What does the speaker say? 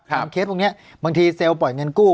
เคสพวกนี้บางทีเซลล์ปล่อยเงินกู้